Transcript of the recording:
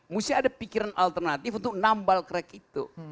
mesti ada pikiran alternatif untuk nambal crack itu